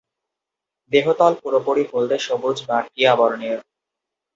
দেহতল পুরোপুরি হলদে-সবুজ বা টিয়া বর্ণের।